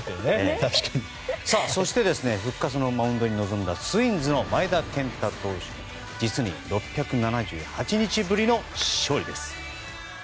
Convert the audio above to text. そして復活のマウンドに臨んだツインズの前田健太投手実に６７８日ぶりの勝利です。